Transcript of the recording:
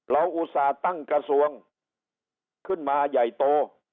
อุตส่าห์ตั้งกระทรวงขึ้นมาใหญ่โต